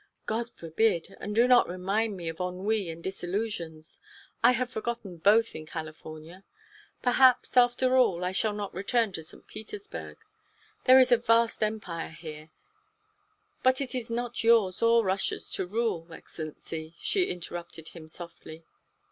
"God forbid. And do not remind me of ennui and disillusions. I have forgotten both in California. Perhaps, after all, I shall not return to St. Petersburg. There is a vast empire here " "But it is not yours or Russia's to rule, Excellency," she interrupted him softly.